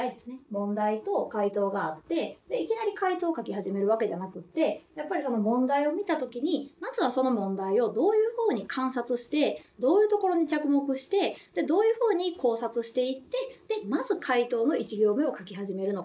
問題と解答があっていきなり解答を書き始めるわけじゃなくてやっぱり問題を見た時にまずはその問題をどういうふうに観察してどういう所に着目してどういうふうに考察していってまず解答の１行目を書き始めるのか？